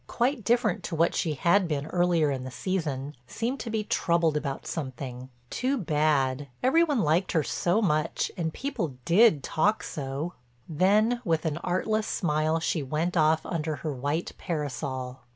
Quite different to what she had been earlier in the season, seemed to be troubled about something. Too bad—every one liked her so much, and people did talk so. Then with an artless smile she went off under her white parasol.